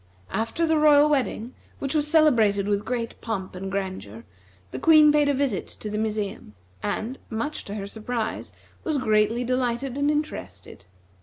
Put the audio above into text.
After the royal wedding, which was celebrated with great pomp and grandeur, the Queen paid a visit to the museum, and, much to her surprise, was greatly delighted and interested.